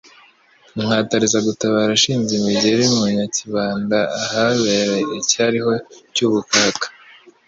Inkatariza gutabara ashinze imigeri mu NyakibandaAhabera icyariho cy' ubukaka;